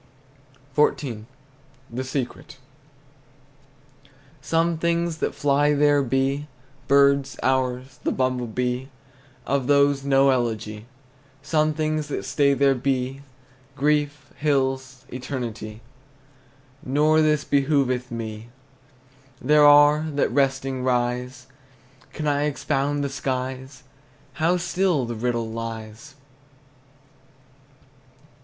XIV. THE SECRET. Some things that fly there be, Birds, hours, the bumble bee: Of these no elegy. Some things that stay there be, Grief, hills, eternity: Nor this behooveth me. There are, that resting, rise. Can I expound the skies? How still the riddle lies!